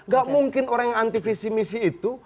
gak mungkin orang yang anti visi misi itu